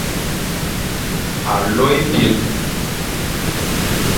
Alo ebyen,